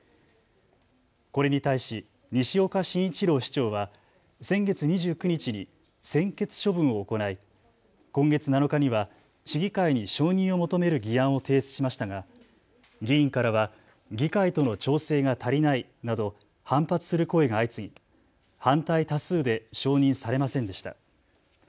これに対し西岡真一郎市長は先月２９日に専決処分を行い今月７日には市議会に承認を求める議案を提出しましたが議員からは議会との調整が足りないなど反発する声が相次ぎ、反対多数で承認されませんでした。